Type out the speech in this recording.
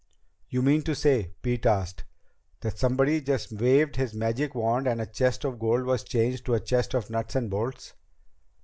"You mean to say," Pete asked, "that somebody just waved his magic wand and a chest of gold was changed to a chest of nuts and bolts?"